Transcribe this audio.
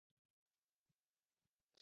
দু মিনিট সময় দিলাম।